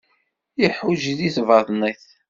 Iḥuǧǧ di tbaḍnit.